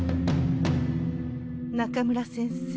中村先生。